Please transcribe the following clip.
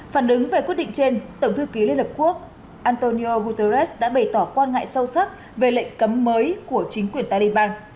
phản ứng về quyết định trên tổng thư ký liên hợp quốc antonio guterres đã bày tỏ quan ngại sâu sắc về lệnh cấm mới của chính quyền taliban